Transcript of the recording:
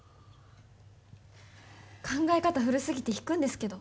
考え方、古すぎて引くんですけど。